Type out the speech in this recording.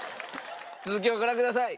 続きをご覧ください。